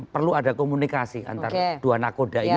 perlu ada komunikasi antara dua nakoda ini